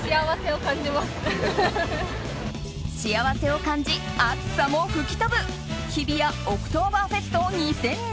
幸せを感じ、暑さも吹き飛ぶ日比谷オクトーバーフェスト２０２２。